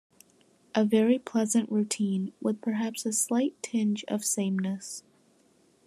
A very pleasant routine, with perhaps a slight tinge of sameness.